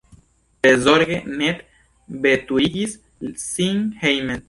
Tre zorge Ned veturigis sin hejmen.